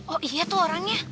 oh iya tuh orangnya